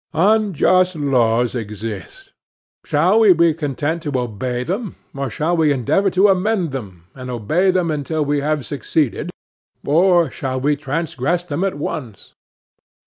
Unjust laws exist: shall we be content to obey them, or shall we endeavor to amend them, and obey them until we have succeeded, or shall we transgress them at once?